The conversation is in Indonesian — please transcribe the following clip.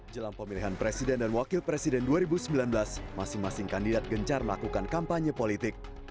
jelang pemilihan presiden dan wakil presiden dua ribu sembilan belas masing masing kandidat gencar melakukan kampanye politik